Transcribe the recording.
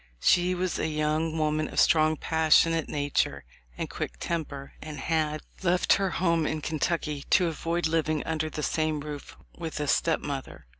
She was a young woman of strong, passionate nature and quick temper, and had "left her home in Kentucky to avoid living under the same roof with a stepmother."